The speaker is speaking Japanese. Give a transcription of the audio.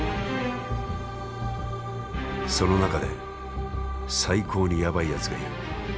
その中で最高にヤバいやつがいる。